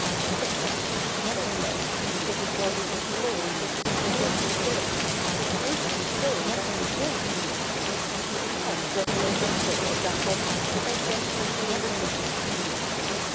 "Stop that!" said Belt, giving Bobby a blow with his powerful bill, which hurt him so that he winced. "You can't ruffle up my tail like that, Bobby, without getting something in return."